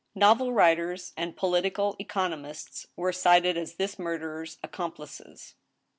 Novel writers and political economists were cited as this mur derer's accomplices.